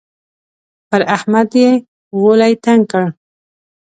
پر احمد يې غولی تنګ کړ.